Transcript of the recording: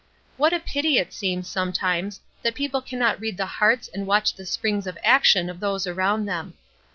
What a pity it seems sometimes that people cannot read the hearts and watch the springs of action of those around them.